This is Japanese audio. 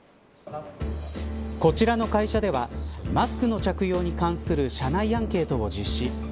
こちらの会社ではマスクの着用に関する社内アンケートを実施。